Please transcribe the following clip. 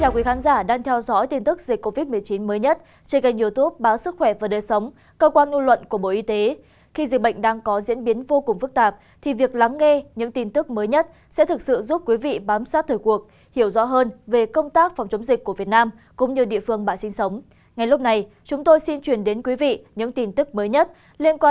các bạn hãy đăng ký kênh để ủng hộ kênh của chúng mình nhé